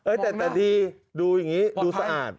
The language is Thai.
เอ้อแต่ที่ดูอย่างงี้ดูสะอาด